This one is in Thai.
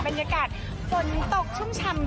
สวัสดีครับคุณผู้ชมครับ